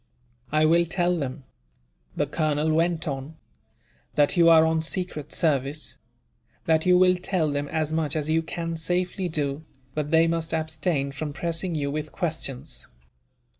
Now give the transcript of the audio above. "I will tell them," the colonel went on, "that you are on secret service; that you will tell them as much as you can safely do, but they must abstain from pressing you with questions.